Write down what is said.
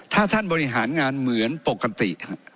ถ้าท่านบริหารงานเหมือนปกติ